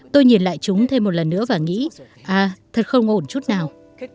tôi nhìn lại chúng thêm một lần nữa và nghĩ à thật không ổn chút nào